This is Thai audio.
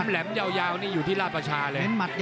แหลมยาวนี่อยู่ที่ราชประชาเลย